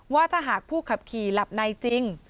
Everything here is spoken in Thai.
ว่าถ้าหากผู้ขับขี่หลับในจริง